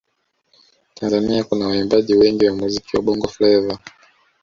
Tanzania kuna waimbaji wengi wa muziki wa bongo fleva